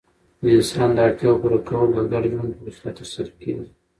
د انسان داړتیاوو پوره کول په ګډ ژوند په وسیله ترسره کيږي.